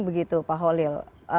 begitu pak holil